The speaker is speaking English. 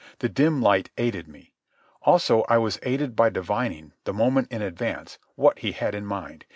The dim light aided me. Also was I aided by divining, the moment in advance, what he had in mind.